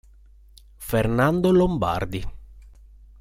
Fernando Lombardi.